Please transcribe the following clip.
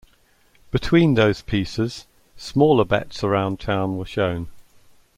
Between those pieces, smaller bets around town were shown.